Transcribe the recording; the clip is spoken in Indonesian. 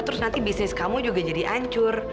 terus nanti bisnis kamu juga jadi hancur